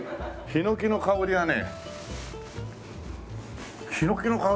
ヒノキの香りがするね。